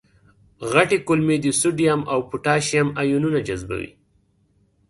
غټې کولمې د سودیم او پتاشیم آیونونه جذبوي.